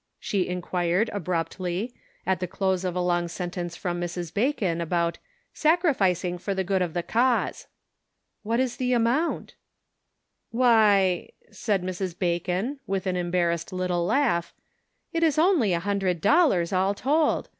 she inquired, abruptly, at the close of a long sentence from Mrs. Bacon about " sacrificing for the good of the cause." " What is the amount ?" "Why," said Mrs. Bacon, with an embar rassed little laugh, " it is only a hundred dollars, all told